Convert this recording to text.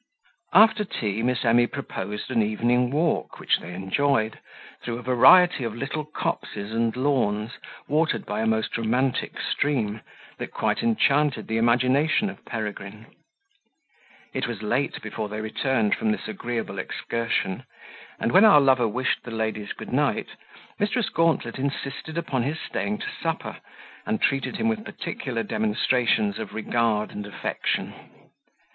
After tea, Miss Emy proposed an evening walk, which they enjoyed through a variety of little copses and lawns, watered by a most romantic stream, that quite enchanted the imagination of Peregrine. It was late before they returned from this agreeable excursion, and when our lover wished the ladies good night, Mrs. Gauntlet insisted upon his staying to supper, and treated him with particular demonstrations of regard and affection.